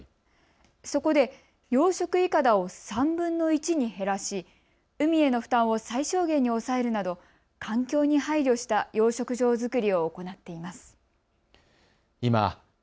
そこで養殖いかだを３分の１に減らし海への負担を最小限に抑えるなど環境に配慮した養殖場作りを行っています。